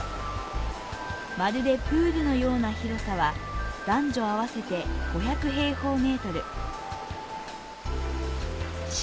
まるでプールのような広さは、男女合わせて５００ｍ。